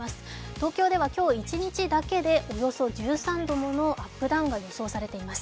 東京では今日一日だけでおよそ１３度ものアップダウンが予想されています。